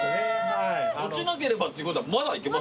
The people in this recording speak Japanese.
落ちなければっていうことはまだいけますよ？